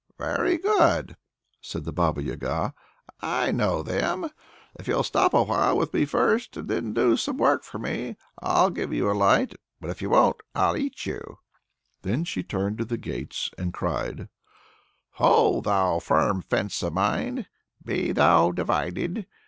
"Very good," said the Baba Yaga; "I know them. If you'll stop awhile with me first, and do some work for me, I'll give you a light. But if you won't, I'll eat you!" Then she turned to the gates, and cried: "Ho, thou firm fence of mine, be thou divided!